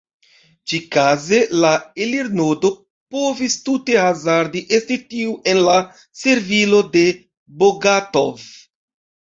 Ĉi-kaze la elirnodo povis tute hazarde esti tiu en la servilo de Bogatov.